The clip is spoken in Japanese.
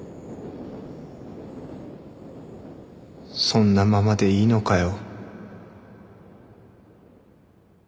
そんなままでいいのかよ？